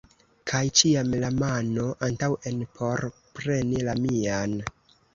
Kaj ĉiam la mano antaŭen por premi la mian!